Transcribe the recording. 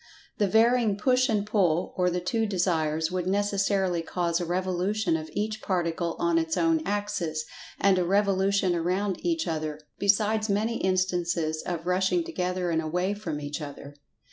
The varying "push and pull" or the two Desires, would necessarily cause a revolution of each Particle on its own axis, and a revolution around each other—besides many instances of rushing together and away from each other.